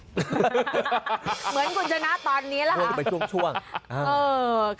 เหมือนคุณชนะตอนนี้แหละค่ะ